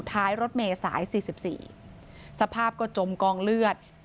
ท้ายรถเมย์สาย๔๔สภาพก็จมกองเลือด